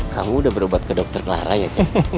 kamu udah berobat ke dokter clara ya cek